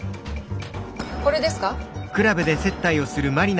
これですか？